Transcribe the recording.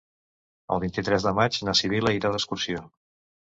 El vint-i-tres de maig na Sibil·la irà d'excursió.